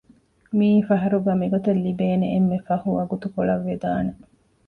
މީއީ ފަހަރުގަ މިގޮތަށް ލިބޭނެ އެންމެ ފަހު ވަގުތުކޮޅަށް ވެދާނެ